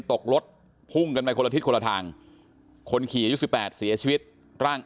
ตกรถพุ่งกันไปคนละทิศคนละทางคนขี่อายุ๑๘เสียชีวิตร่าง